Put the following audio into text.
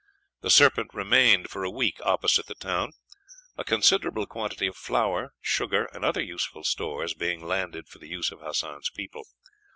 The Serpent remained for a week opposite the town; a considerable quantity of flour, sugar, and other useful stores being landed for the use of Hassan's people.